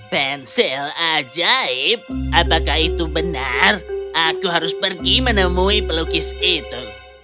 pensil ajaib apakah itu benar aku harus pergi menemui pelukis itu